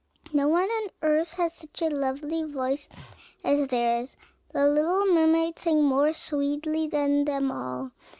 No one on earth has such a lovely voice as theirs. The little mermaid sang more sweetly than them all.